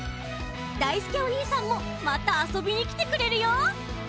だいすけおにいさんもまたあそびにきてくれるよ！